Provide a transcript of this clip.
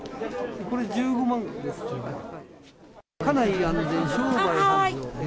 これ、１５万ですよね。